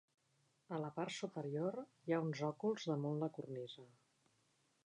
A la part superior hi ha uns òculs damunt la cornisa.